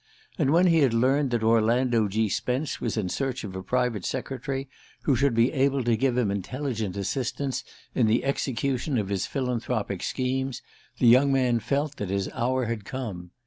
And when he had learned that Orlando G. Spence was in search of a private secretary who should be able to give him intelligent assistance in the execution of his philanthropic schemes, the young man felt that his hour had come.